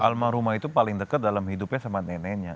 almarhumah itu paling dekat dalam hidupnya sama neneknya